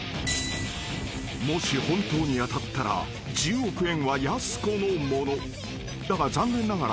［もし本当に当たったら１０億円はやす子のもの］